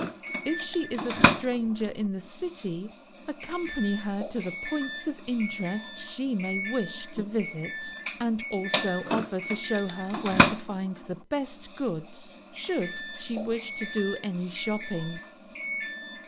If she is a stranger in the city, accompany her to the points of interest she may wish to visit, and also offer to show her where to find the best goods, should she wish to do any shopping.